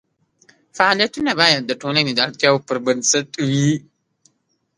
فعالیتونه باید د ټولنې د اړتیاوو پر بنسټ وي.